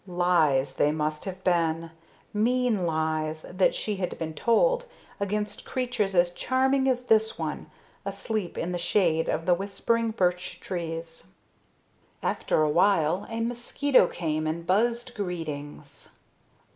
Lies they must have been mean lies that she had been told against creatures as charming as this one asleep in the shade of the whispering birch trees. After a while a mosquito came and buzzed greetings.